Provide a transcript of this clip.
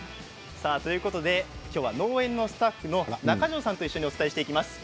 今日は農園のスタッフの仲門さんと一緒にお伝えしていきます。